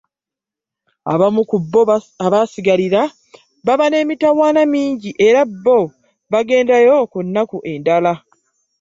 Abamu ku bo abasigalira baba n'emitawaana mingi era bo bagendayo ku nnaku endala.